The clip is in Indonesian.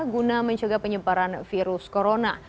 guna mencegah penyebaran virus corona